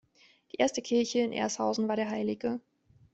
Die erste Kirche in Ershausen war der Hl.